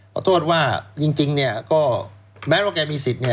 ขอโทษว่าจริงแม้ว่าแกมีสิทธิ์